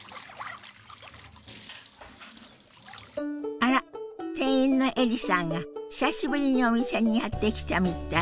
あら店員のエリさんが久しぶりにお店にやって来たみたい。